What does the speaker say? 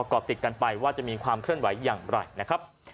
เกาะติดกันไปว่าจะมีความเคลื่อนไหวอย่างไรนะครับ